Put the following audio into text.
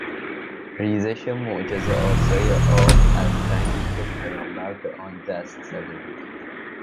ریزش معجرهآسای آب از سنگی که پیامبر به آن دست زده بود.